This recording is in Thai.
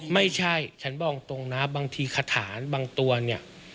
ไม่ใช่ฉันบอกตรงนะบางทีคาถานบางตัวเนี่ย